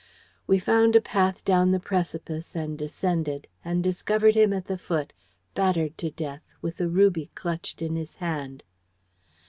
We found a path down the precipice and descended, and discovered him at the foot, battered to death, with the ruby clutched in his hand.